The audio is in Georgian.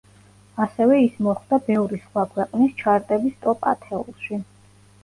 ასევე ის მოხვდა ბევრი სხვა ქვეყნის ჩარტების ტოპ ათეულში.